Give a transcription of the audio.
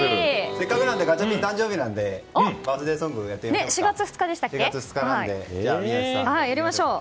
せっかくなんでガチャピン誕生日なのでバースデーソングをやってもらいましょうか。